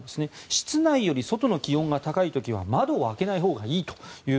室内より外の気温が高い時は窓を開けないほうがいいと。